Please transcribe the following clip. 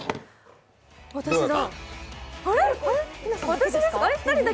私だ。